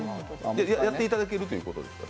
やっていただけるということですか？